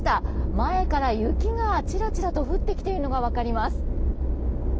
前から雪がちらちらと降ってきているのが分かります。